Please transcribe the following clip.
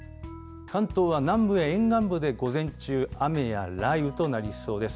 関東は南部や沿岸部で午前中、雨や雷雨となりそうです。